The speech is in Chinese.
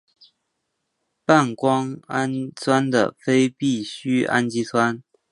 半胱氨酸的非必需氨基酸。